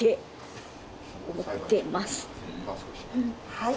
はい。